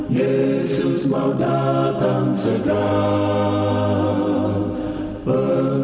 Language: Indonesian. yesus mau datang sedang